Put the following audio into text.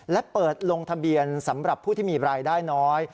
และเปิดลงทะเบียนสำหรับผู้ที่มีรายได้น้อย